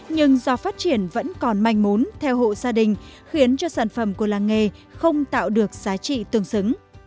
nhưng do phát triển vẫn còn manh mốn theo hộ gia đình khiến cho sản phẩm của làng nghề không tạo được giá trị tương xứng